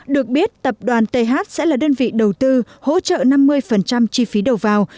được biết tập đoàn th sẽ là đơn vị đầu tư hỗ trợ năm mươi chi phí đầu vào